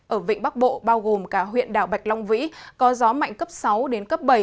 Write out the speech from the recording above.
ở vịnh bắc bộ bao gồm cả huyện đảo bạch long vĩ có gió mạnh cấp sáu đến cấp bảy